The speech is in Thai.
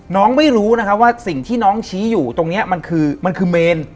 น้องไม่รู้ว่าสิ่งที่น้องชี้อยู่ตรงนี้มันคือเมน